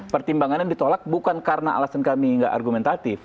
pertimbangan yang ditolak bukan karena alasan kami nggak argumentatif